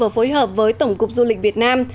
phối hợp với tổng cục du lịch việt nam